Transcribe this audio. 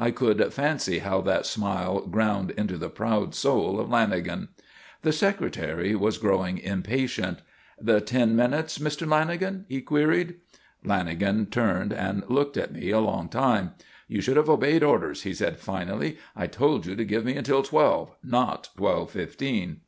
I could fancy how that smile ground into the proud soul of Lanagan. The Secretary was growing impatient. "The ten minutes, Mr. Lanagan?" he queried. Lanagan turned and looked at me a long time. "You should have obeyed orders," he said finally. "I told you to give me until twelve; not twelve fifteen."